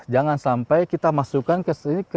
jangan sampai kita masukkan ke sini ke